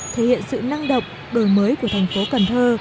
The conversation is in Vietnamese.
thể hiện sự năng động đổi mới của thành phố cần thơ